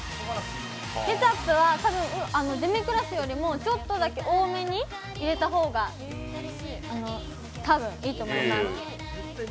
ケチャップは多分デミグラスよりもちょっとだけ多めに入れた方が多分いいと思います。